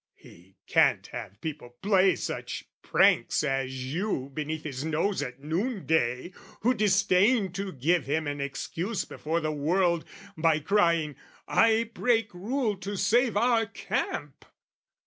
"He can't have people play such pranks as you "Beneath his nose at noonday, who disdain "To give him an excuse before the world, "By crying 'I break rule to save our camp!'